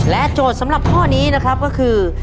โจทย์สำหรับข้อนี้นะครับก็คือ